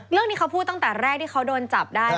เรื่องนี้เขาพูดตั้งแต่แรกที่เขาโดนจับได้